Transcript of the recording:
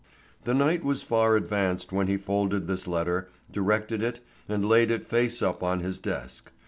The night was far advanced when he folded this letter, directed it, and laid it face up on his desk.